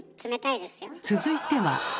続いては。